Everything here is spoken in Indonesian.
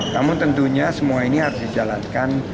namun tentunya semua ini harus dijalankan